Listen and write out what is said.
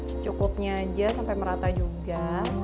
secukupnya aja sampai merata juga